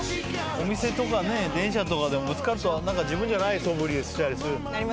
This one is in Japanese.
お店とか電車とかでもぶつかると自分じゃないそぶりをしたり。